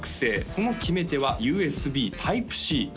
その決め手はＵＳＢｔｙｐｅ−Ｃ